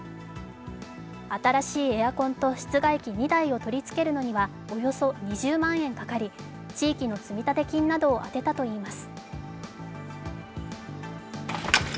新しいエアコンと室外機２台を取り付けるのにはおよそ２０万円かかり、地域の積立金などを充てたといいます。